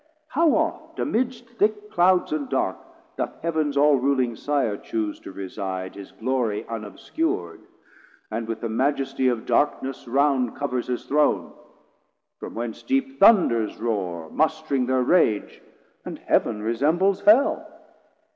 How oft amidst Thick clouds and dark doth Heav'ns all ruling Sire Choose to reside, his Glory unobscur'd, And with the Majesty of darkness round Covers his Throne; from whence deep thunders roar Must'ring thir rage, and Heav'n resembles Hell?